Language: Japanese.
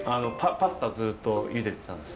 パスタずっとゆでてたんです。